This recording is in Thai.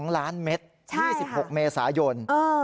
๒ล้านเมตร๒๖เมษายน